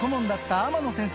天野先生？